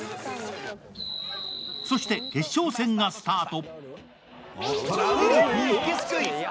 そして、決勝戦がスタート。